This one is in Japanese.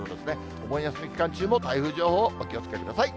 お盆休み期間中も台風情報、お気をつけください。